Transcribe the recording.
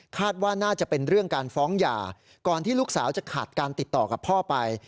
ว่าน่าจะเป็นเรื่องการฟ้องหย่าก่อนที่ลูกสาวจะขาดการติดต่อกับพ่อไป